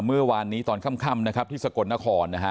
เมื่อวานนี้ตอนค่ำนะครับที่สกลนครนะฮะ